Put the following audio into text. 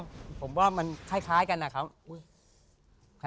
ผมว่ามันคล้ายกันนะครับ